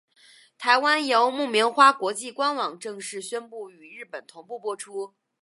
台湾由木棉花国际官网正式宣布与日本同步播出。